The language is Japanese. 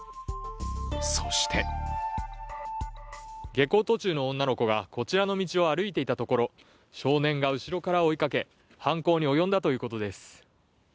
そして下校途中の女の子がこちらの道を歩いていたところ、少年が後ろから追いかけ、犯行に及んだということです。